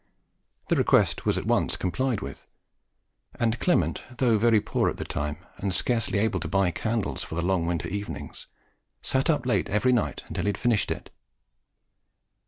The request was at once complied with; and Clement, though very poor at the time, and scarcely able to buy candle for the long winter evenings, sat up late every night until he had finished it.